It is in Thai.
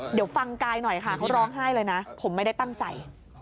เดี๋ยวฟังกายหน่อยค่ะเขาร้องไห้เลยนะผมไม่ได้ตั้งใจ